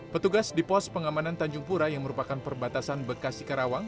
petugas di pos pengamanan tanjung pura yang merupakan perbatasan bekasi karawang